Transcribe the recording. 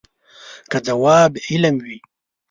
که ځواب علم وي.